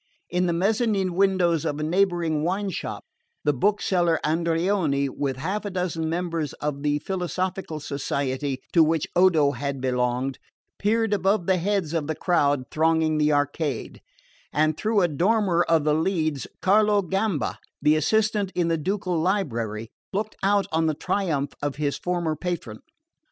In the mezzanin windows of a neighbouring wine shop the bookseller Andreoni, with half a dozen members of the philosophical society to which Odo had belonged, peered above the heads of the crowd thronging the arcade, and through a dormer of the leads Carlo Gamba, the assistant in the ducal library, looked out on the triumph of his former patron.